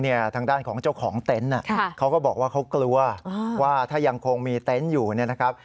ทางด้านของเจ้าของเต็นต์เขาก็บอกว่าเขากลัวว่าถ้ายังคงมีเต็นต์อยู่เนี่ยนะครับ